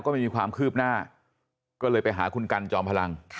ก็ไม่มีความคืบหน้าก็เลยไปหาคุณกันจอมพลัง